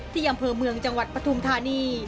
ที่อำเภอเมืองจังหวัดปฐุมธานี